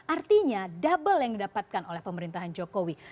artinya double yang didapatkan oleh pemerintahan jokowi